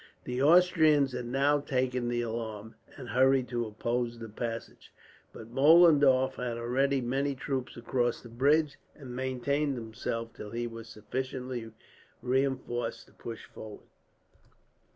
The Austrians had now taken the alarm, and hurried to oppose the passage; but Mollendorf had already many troops across the bridge, and maintained himself till he was sufficiently reinforced to push forward.